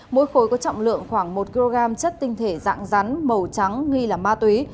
mỗi khối có trọng lượng khoảng một kg chất tinh thể dạng rắn màu trắng nghi là ma túy